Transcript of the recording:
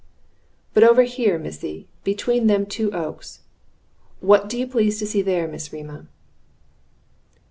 "But over here, missy, between them two oaks. What do you please to see there, Miss Rema?"